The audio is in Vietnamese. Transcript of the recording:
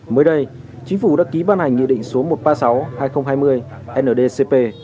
mới đây chính phủ đã ký ban hành nghị định số một trăm ba mươi sáu hai nghìn hai mươi ndcp